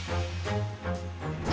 kalau warna keluar gua dua puluh tiga